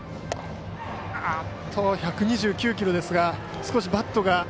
１２９キロですが少しバットが。